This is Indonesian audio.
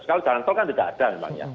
kalau jalan tol kan tidak ada memang ya